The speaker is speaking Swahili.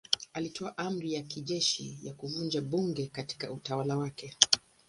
Alitoa amri ya kijeshi ya kuvunja bunge katika utawala wake.